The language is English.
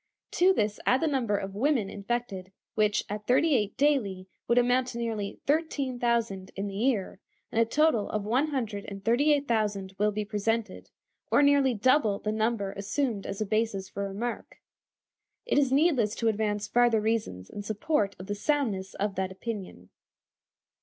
To this add the number of women infected, which, at thirty eight daily, would amount to nearly thirteen thousand in the year, and a total of one hundred and thirty eight thousand will be presented, or nearly double the number assumed as a basis for remark. It is needless to advance farther reasons in support of the soundness of that opinion.